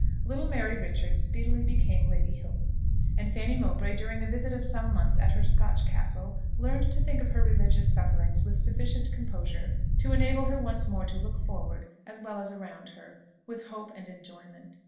Little Mary Richards speedily became Lady Hilton; and Fanny Mowbray, during a visit of some months at her Scotch castle, learned to think of her religious sufferings with sufficient composure to enable her once more to look forward as well as around her, with hope and enjoyment.